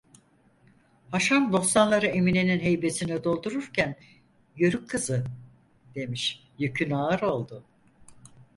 Haşan bostanları Emine'nin heybesine doldururken: 'Yörük kızı!' demiş, 'Yükün ağır oldu.'